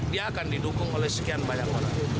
dia akan didukung oleh sekian banyak orang